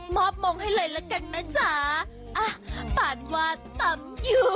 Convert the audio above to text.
มอบมองให้เลยแล้วกันนะคะอะปาญวาตำยั่ว